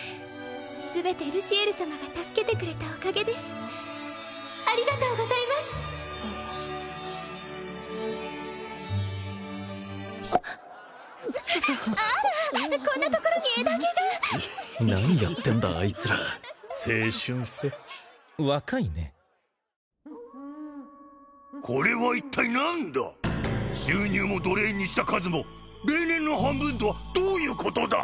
全てルシエル様が助けてくれたおかげですありがとうございますととっおお虫あらこんなところに枝毛が何やってんだあいつら青春さ若いねこれは一体何だ収入も奴隷にした数も例年の半分とはどういうことだ！